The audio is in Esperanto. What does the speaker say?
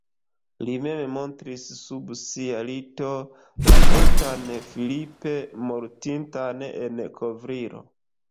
Li mem montris sub sia lito la etan Philippe mortintan en kovrilo.